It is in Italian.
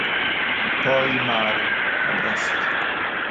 Poi in mare, a Brest.